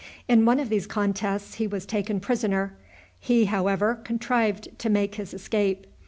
In one of these contests he was taken prisoner. He, however, contrived to make his escape.